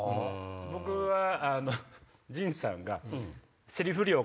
僕は陣さんが。